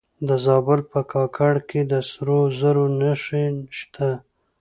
د زابل په کاکړ کې د سرو زرو نښې شته.